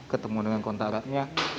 ketemu dengan kontak ratnya